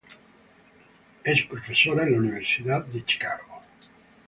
Es profesora en la Universidad de Chicago.